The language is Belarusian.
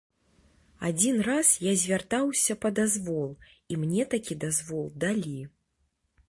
Адзін раз я звяртаўся па дазвол, і мне такі дазвол далі.